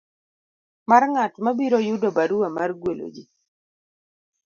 mar ng'at mabiro yudo barua mar gwelo ji.